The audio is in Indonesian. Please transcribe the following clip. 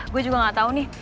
gue juga gak tau nih